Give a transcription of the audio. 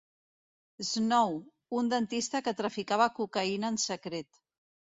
Snow, un dentista que traficava cocaïna en secret.